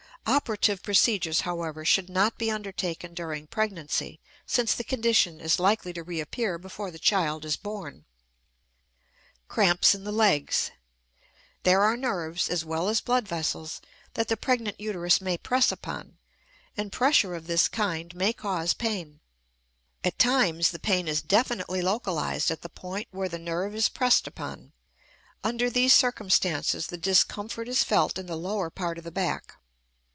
Operative procedures, however, should not be undertaken during pregnancy, since the condition is likely to reappear before the child is born. Cramps in the Legs. There are nerves as well as blood vessels that the pregnant uterus may press upon, and pressure of this kind may cause pain. At times the pain is definitely localized at the point where the nerve is pressed upon; under these circumstances the discomfort is felt in the lower part of the back.